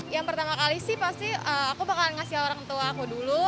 yang pertama kali sih pasti aku bakalan ngasih orang tua aku dulu